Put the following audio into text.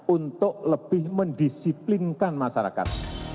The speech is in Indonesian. untuk lebih mendisiplinkan masyarakat